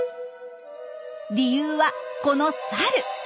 理由はこのサル。